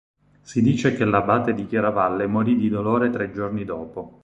Si dice che l'abate di Chiaravalle morì di dolore tre giorni dopo.